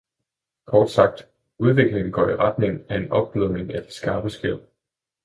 Kort sagt, udviklingen går i retning af en opblødning af de skarpe skel.